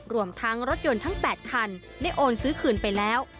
รวมทั้งรถยนต์ทั้ง๘คันได้โอนซื้อคืนไปแล้ว